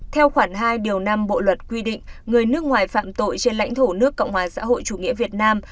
theo khoản hai điều năm bộ luật quy định người nước ngoài phạm tội trên lãnh thổ nước cộng hòa xã hội chủ nghĩa việt nam